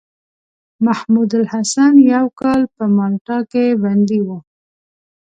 محمودالحسن يو کال په مالټا کې بندي وو.